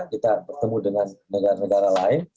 kita bertemu dengan negara negara lain